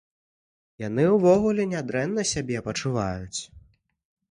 Яны, увогуле нядрэнна сябе пачуваюць.